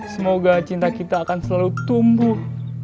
semoga cinta kita akan selalu tumbuh